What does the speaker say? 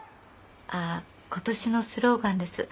あ今年のスローガンです。